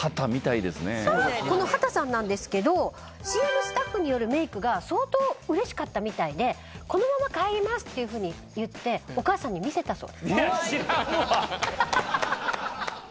この秦さんなんですけどＣＭスタッフによるメイクが相当うれしかったみたいで「このまま帰ります」って言ってお母さんに見せたそうです。